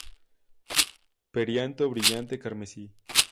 Perianto brillante carmesí.